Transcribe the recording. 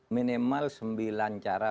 minimal sembilan cara